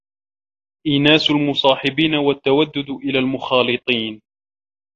إينَاسُ الْمُصَاحِبِينَ وَالتَّوَدُّدُ إلَى الْمُخَالِطِينَ